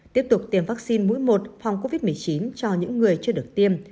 tiếp tục tiêm vaccine mũi một phòng covid một mươi chín cho những người chưa được tiêm